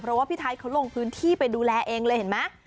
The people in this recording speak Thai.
เพราะว่าพี่ไทยเขาลงพื้นที่ไปดูแลเองเลยเห็นไหม